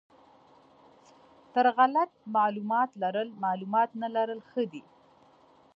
تر غلط معلومات لرل معلومات نه لرل ښه دي.